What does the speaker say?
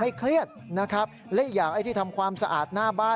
ไม่เครียดนะครับและอย่างที่ทำสะอาดความบอค